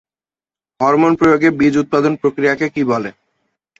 Hormone প্রয়োগে বীজ উৎপাদন প্রক্রিয়াকে কী বলে?